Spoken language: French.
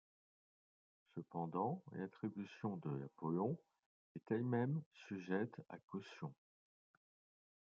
Cependant, l'attribution de l'Apollon est elle-même sujette à caution.